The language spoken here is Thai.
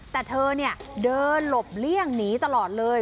แต่เธอเนี่ยเดินหลบเลี่ยงหนีตลอดเลย